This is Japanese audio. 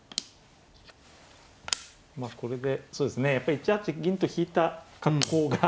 まあこれでやっぱり１八銀と引いた格好が。